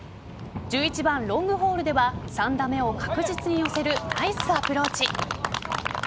１１番ロングホールでは３打目を確実に寄せるナイスアプローチ。